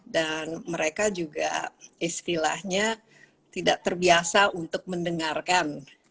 dan mereka juga istilahnya tidak terbiasa untuk mendengarkan